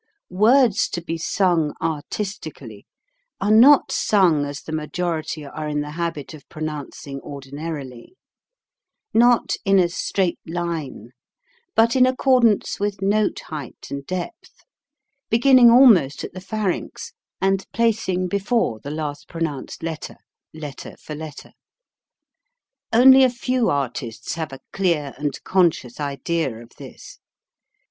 Words to be sung artistically are not sung as the majority are in the habit of pronouncing ordinarily; not in a straight line but in accordance with note 288 HOW TO SING height and depth, beginning almost at the pharynx and placing before the last pronounced letter, letter for letter. Only a few artists have a clear and conscious idea of this.